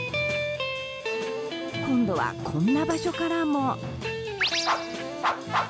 今度は、こんな場所からも。